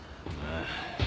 ああ。